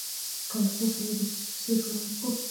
که له چا سره د شي په څېر چلند وکړو.